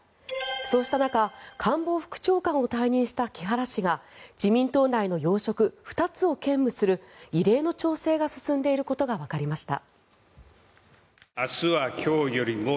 そうした中官房副長官を退任した木原氏が自民党内の要職２つを兼務する異例の調整が進んでいることがわかりました。